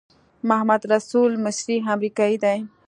محمدرسول مصری امریکایی دی.